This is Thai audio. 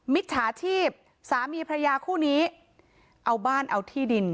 มิจฉาชีพสามีพระยาคู่นี้เอาบ้านเอาที่ดิน